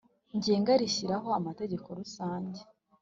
Ngenga rishyiraho amategeko rusange